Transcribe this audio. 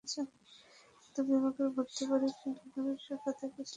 কিন্তু বিভাগের ভর্তি পরীক্ষায় মানবিক শাখা থেকে ছাত্রীদের আসন ছিল মাত্র ছয়টি।